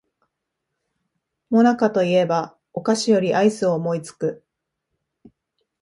もなかと言えばお菓子よりアイスを思いつく